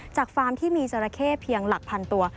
ฟาร์มที่มีจราเข้เพียงหลักพันตัว